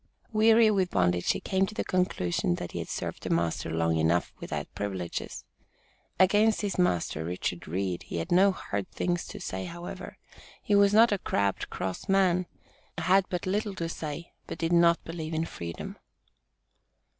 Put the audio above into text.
Weary with bondage he came to the conclusion that he had served a master long enough "without privileges." Against his master, Richard Reed, he had no hard things to say, however. He was not a "crabbed, cross man" had but "little to say," but "didn't believe in freedom."